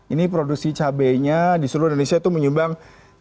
ini produksi cabainya di seluruh indonesia itu menyumbang tiga belas tujuh